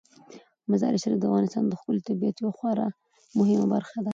مزارشریف د افغانستان د ښکلي طبیعت یوه خورا مهمه برخه ده.